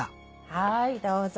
はいどうぞ。